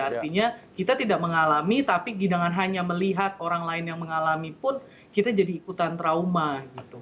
artinya kita tidak mengalami tapi dengan hanya melihat orang lain yang mengalami pun kita jadi ikutan trauma gitu